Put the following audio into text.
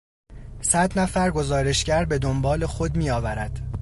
صد نفر گزارشگر به دنبال خود میآورد.